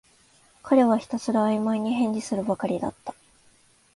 彼はひたすらあいまいに返事するばかりだった